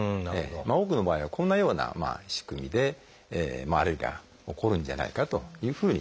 多くの場合はこんなような仕組みでアレルギーが起こるんじゃないかというふうに考えられています。